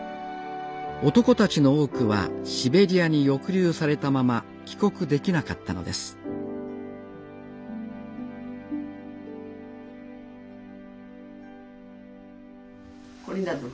男たちの多くはシベリアに抑留されたまま帰国できなかったのですこれだどもな。